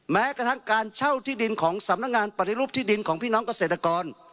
แม้กระทั่งการเช่าที่ดินของสำนักงานปฏิรูปที่ดินของพี่น้องเกษตรกร